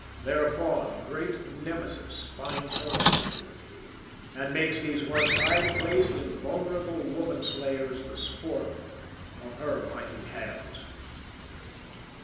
Thereupon, Great Nemesis finds her opportunity, and makes these once high placed, invulnerable woman slayers the sport of her mighty hands.